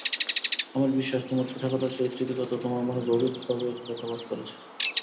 আমার বিশ্বাস, তোমার ছোটবেলার সেই স্মৃতিকথা তোমার মনে গভীরভাবে রেখাপাত করেছে।